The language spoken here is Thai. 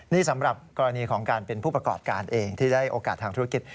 นี่สำหรับกรณีของการเป็นผู้ประกอบการเองที่ได้โอกาสทางธุรกิจ